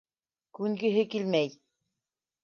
Күнгеһе килмәй.